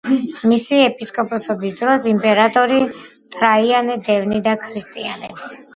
მისი ეპისკოპოსობის დროს იმპერატორი ტრაიანე დევნიდა ქრისტიანებს.